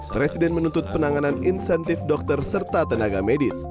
presiden menuntut penanganan insentif dokter serta tenaga medis